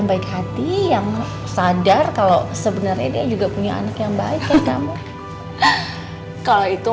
mbak bilang sekarang di mana mbak itu